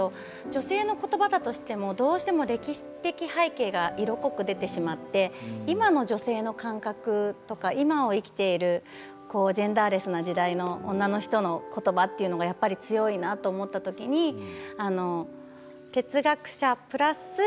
女性のことばだとしてもどうしても歴史的背景が色濃く出てしまって今の女性の感覚とか今を生きているジェンダーレスな時代の女の人のことばというのがやっぱり強いなと思ったときに哲学者プラス